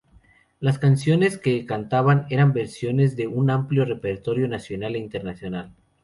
Las canciones que cantaban eran versiones de un amplio repertorio nacional e internacional.